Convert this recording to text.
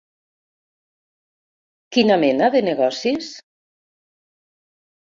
Quina mena de negocis?